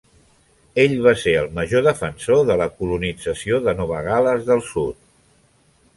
Ell va ser el major defensor de la colonització de Nova Gal·les del Sud.